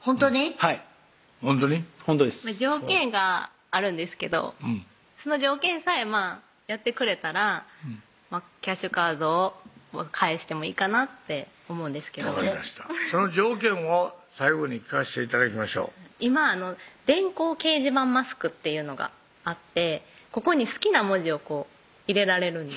はい条件があるんですけどその条件さえやってくれたらキャッシュカードを返してもいいかなって思うんですけど分かりましたその条件を最後に聞かせて頂きましょう今電光掲示板マスクっていうのがあってここに好きな文字を入れられるんです